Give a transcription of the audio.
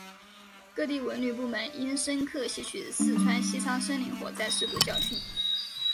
各地文旅部门应深刻吸取四川西昌森林火灾事故教训